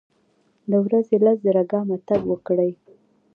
د ورځي لس زره ګامه تګ وکړئ.